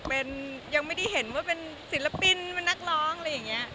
เป็นยังไม่ได้เห็นว่าเป็นศิลปินเป็นนักร้องอะไรอย่างนี้